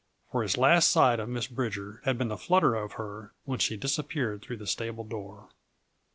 For his last sight of Miss Bridger had been the flutter of her when she disappeared through the stable door.